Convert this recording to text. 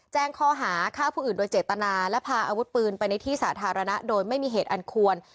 แจ้งข้อหาฆ่าผู้อื่นโดยเจตนาและพาอาวุธปืนไปในที่สาธารณะโดยไม่มีเหตุอันควร